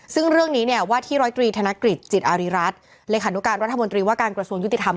ซึ่งเรื่องนี้เนี่ยว่าที่ร้อยตรีธนกฤษจิตอารีรัฐเลขานุการรัฐมนตรีว่าการกระทรวงยุติธรรม